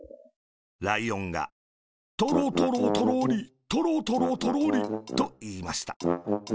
ライオンが「トロトロ、トロリ、トロトロ、トロリ。」と、いいました。